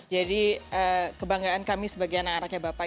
jadi kebanggaan kami sebagai anak arak ya bapak